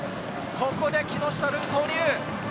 ここで木下瑠己、投入。